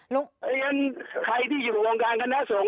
นุ๊กอย่างนั้นใครที่อยู่ในวงการคณะส่ง